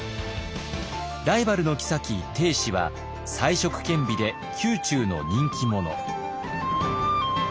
ライバルの后定子は才色兼備で宮中の人気者。